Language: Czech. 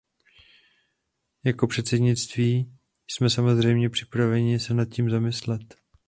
Jako předsednictví jsme samozřejmě připraveni se nad tím zamyslet.